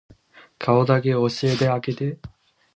顔だけ教えてあげて